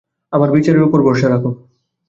আমার বিচারের ওপর ভরসা রাখো।